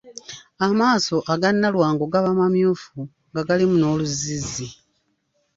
Amaaso aga Nnalwango gaba mamyufu nga galimu n’oluzzizzi.